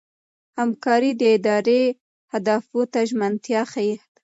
همکاري د ادارې اهدافو ته ژمنتیا ښيي.